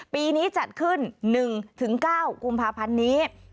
ปีนี้จัดขึ้น๑๙กุมภาพันธ์นี้